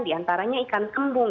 diantaranya ikan tembung